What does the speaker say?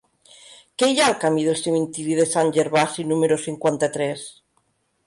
Què hi ha al camí del Cementiri de Sant Gervasi número cinquanta-tres?